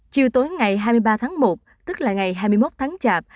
chiều tối ngày hai mươi ba tháng một tức là ngày hai mươi một tháng chạp